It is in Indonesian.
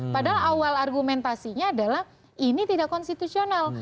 padahal awal argumentasinya adalah ini tidak konstitusional